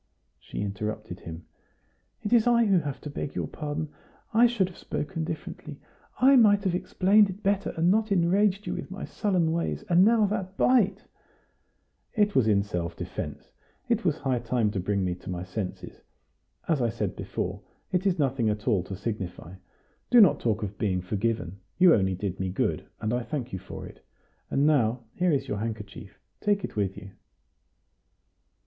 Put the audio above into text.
She interrupted him. "It is I who have to beg your pardon. I should have spoken differently. I might have explained it better, and not enraged you with my sullen ways. And now that bite " "It was in self defence; it was high time to bring me to my senses. As I said before, it is nothing at all to signify. Do not talk of being forgiven; you only did me good, and I thank you for it. And now, here is your handkerchief; take it with you."